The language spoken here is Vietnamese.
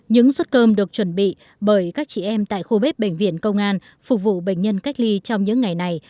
những suất cơm được chuẩn bị bởi các chị em tại khu bếp bệnh viện công an phục vụ bệnh nhân cách ly trong những ngày này